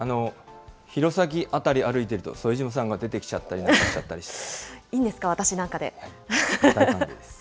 弘前辺り歩いてると、副島さんが出てきちゃったりなんかしちゃって。